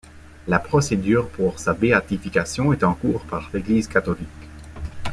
La procédure pour sa béatification est en cours par l'Église catholique.